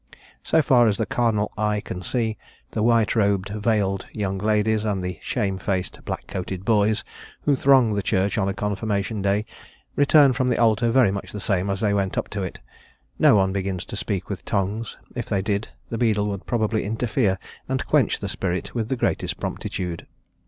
So far as the carnal eye can see, the white robed, veiled young ladies, and the shame faced black coated boys, who throng the church on a Confirmation day, return from the altar very much the same as they went up to it: no one begins to speak with tongues; if they did, the beadle would probably interfere and quench the Spirit with the greatest promptitude.